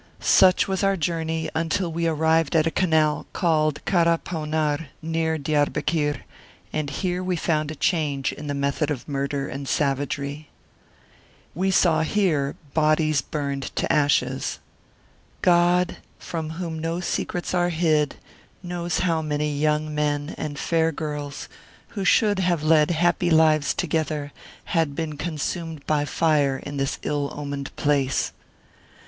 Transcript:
Such was our journey until we arrived at a canal, called Kara Pounar, near Diarbekir, and here we found a change in the method of murder and savagery. \Ye saw here bodies burned to ashes. God, from whom no secrets are hid, knows how many young men and fair girls, who should have led happy lives together, had been consumed by fire in this ill omened place.